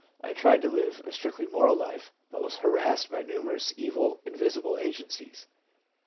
I tried to live a strictly moral life, but was harassed by numerous evil, invisible agencies/ M.